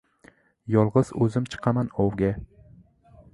Yolg‘iz o‘zim chiqaman ovga.